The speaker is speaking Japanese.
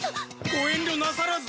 ご遠慮なさらず！